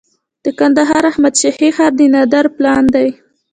د کندهار احمد شاهي ښار د نادر پلان دی